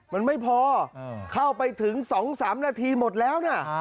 มันไม่พอเข้าไปถึง๒๓นาทีหมดแล้วนะ